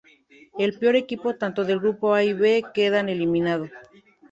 El peor equipo tanto del grupo A y B queda eliminado.